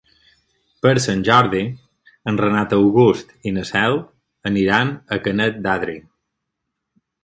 Per Sant Jordi en Renat August i na Cel aniran a Canet d'Adri.